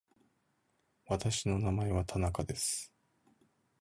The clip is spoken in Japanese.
私の名前は田中です。